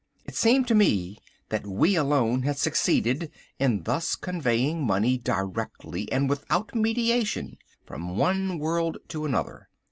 It seemed to me that we alone had succeeded in thus conveying money directly and without mediation, from one world to another.